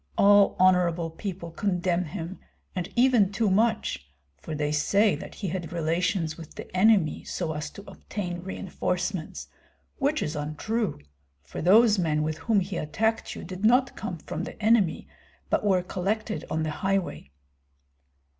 All honorable people condemn him, and even too much; for they say that he had relations with the enemy so as to obtain reinforcements, which is untrue, for those men with whom he attacked you did not come from the enemy, but were collected on the highway."